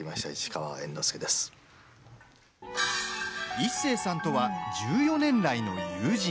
一生さんとは１４年来の友人。